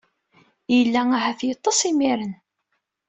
Yella ahat yeṭṭes imir-n.